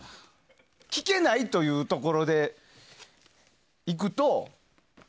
聴けないというところでいくと。